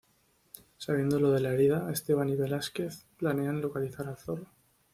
Sabiendo lo de la herida Esteban y Velásquez planean localizar al Zorro.